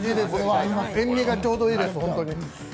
塩みがちょうどいいです。